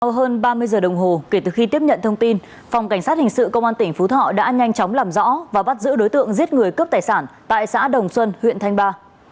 sau hơn ba mươi giờ đồng hồ kể từ khi tiếp nhận thông tin phòng cảnh sát hình sự công an tỉnh phú thọ đã nhanh chóng làm rõ và bắt giữ đối tượng giết người cướp tài sản tại xã đồng xuân huyện thanh ba